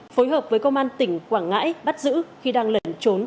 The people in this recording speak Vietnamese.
phối hợp với công an tỉnh quảng ngãi bắt giữ khi đang lẩn trốn tại thành phố quảng ngãi